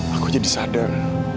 aku jadi sadar